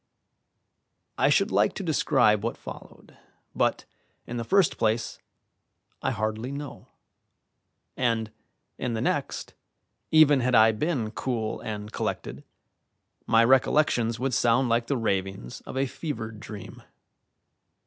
I should like to describe what followed, but, in the first place, I hardly know; and, in the next, even had I been cool and collected, my recollections would sound like the ravings of a fevered dream.